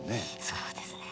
そうですね。